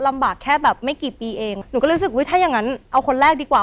แบบแค่แบบไม่กี่ปีเองหนูก็รู้สึกอุ้ยถ้าอย่างงั้นเอาคนแรกดีกว่า